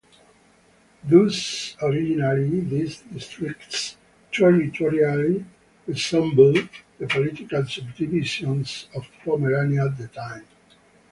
Thus originally these districts territorially resembled the political subdivisions of Pomerania at the time.